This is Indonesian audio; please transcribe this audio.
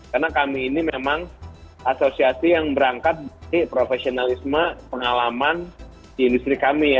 karena kami ini memang asosiasi yang berangkat dari profesionalisme pengalaman di industri kami ya